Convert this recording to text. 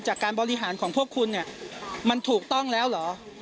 จากการบริหารของพวกคุณเนี่ยมันถูกต้องแล้วเหรอ